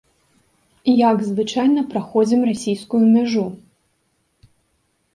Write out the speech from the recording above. Як звычайна праходзім расійскую мяжу?